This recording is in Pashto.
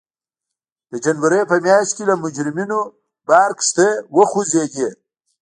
د جنورۍ په میاشت کې له مجرمینو بار کښتۍ وخوځېدې.